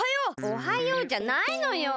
「おはよう」じゃないのよ！